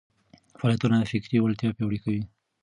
فعالیتونه فکري وړتیا پياوړې کوي.